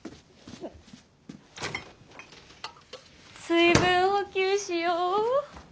水分補給しよう。